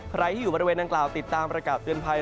ใครที่อยู่บริเวณดังกล่าวติดตามประกาศเตือนภัย